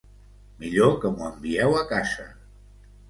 Millor que m'ho envieu a casa.